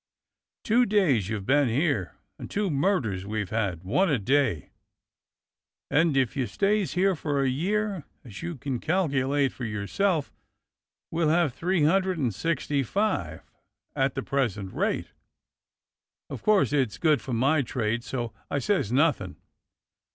Two days you've been here, and two murders we've had — one a day — and if you stays here for a year, as you can calculate for yourself, we'll have three hundred and sixty five, at the present rate. Of course it's good for my trade, so I says nothing.